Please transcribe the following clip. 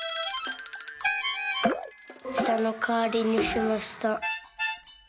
「したのかわりにしました」。